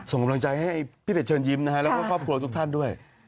ส่งกำลังใจให้พี่เป็ดเชิญยิ้มนะฮะแล้วก็ครอบครัวทุกท่านด้วย